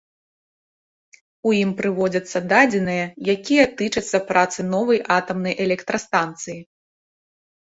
У ім прыводзяцца дадзеныя, якія тычацца працы новай атамнай электрастанцыі.